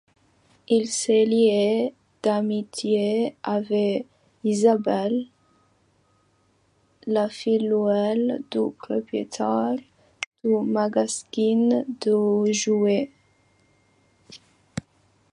Il se lie d'amitié avec Isabelle, la filleule du propriétaire du magasin de jouets.